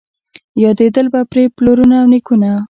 یادېدل به پرې پلرونه او نیکونه